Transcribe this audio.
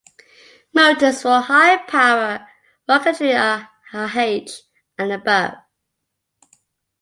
Motors for High-Power Rocketry are "H" and above.